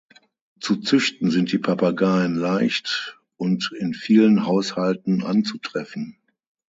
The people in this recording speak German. Zu züchten sind die Papageien leicht und in vielen Haushalten anzutreffen.